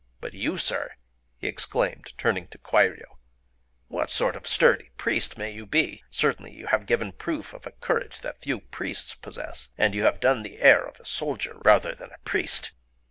But you, Sir," he exclaimed, turning to Kwairyō,—"what sort of sturdy priest may you be? Certainly you have given proof of a courage that few priests possess; and you have the air of a soldier rather than a priest.